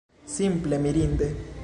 Simple mirinde!